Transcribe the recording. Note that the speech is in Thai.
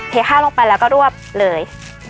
เทข้าวลงไปแล้วก็รวบเลย